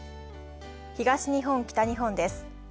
東日本・北日本です。